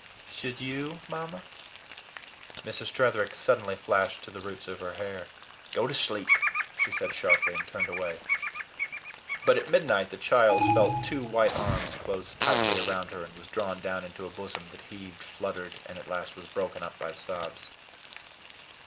"Should YOU, Mamma?" Mrs. Tretherick suddenly flushed to the roots of her hair. "Go to sleep," she said sharply, and turned away. But at midnight the child felt two white arms close tightly around her, and was drawn down into a bosom that heaved, fluttered, and at last was broken up by sobs.